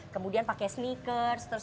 kemudian pakai sneakers